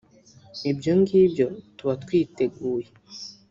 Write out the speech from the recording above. ibyo ngibyo tuba twiteguye